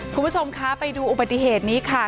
คุณผู้ชมคะไปดูอุบัติเหตุนี้ค่ะ